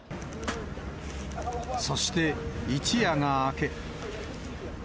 そして一夜が明け。